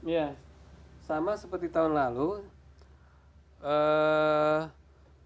ya sama seperti tahun lalu masyarakat akan menerima instalasi yang di rumah ya